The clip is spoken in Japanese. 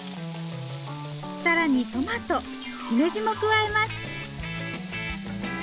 更にトマトしめじも加えます。